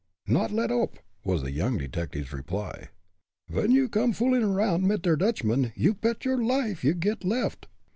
"Not a let oop!" was the young detective's reply. "Ven you come foolin' around mit der Dutchman you pet your life you get left.